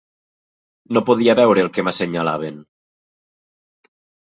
No podia veure el que m'assenyalaven